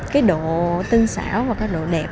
cái độ tinh xảo và cái độ đẹp